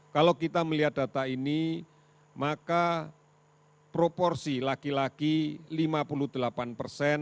kalau kita melihat data ini maka proporsi laki laki lima puluh delapan persen